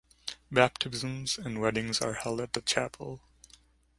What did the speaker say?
Baptisms and weddings are held at the chapel.